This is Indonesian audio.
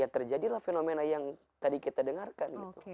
terjadilah fenomena yang tadi kita dengarkan gitu